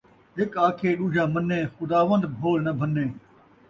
ہک آکھے ݙوجھا منّے ، خداونّد بھول ناں بھنّے